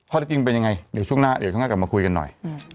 เอ้าจริงเป็นยังไงช่วงหน้ามากันมาคุยกันหน่อย